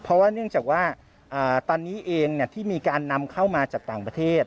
เพราะว่าเนื่องจากว่าตอนนี้เองที่มีการนำเข้ามาจากต่างประเทศ